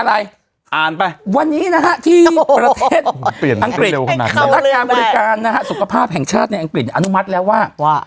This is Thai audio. อันนี้ที่ประเทศอังกฤษนักบริการสุขภาพแห่งชาติในอังกฤษอนุมัติแล้วว่า